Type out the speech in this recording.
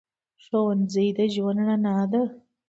ښوونځی د ژوند رڼا ده